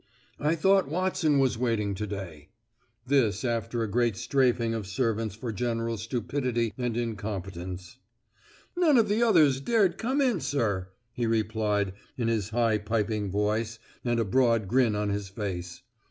'I thought Watson was waiting to day.' (This after a great strafing of servants for general stupidity and incompetence.) 'None of the others dared come in, sir,' he replied, in his high piping voice, and a broad grin on his face.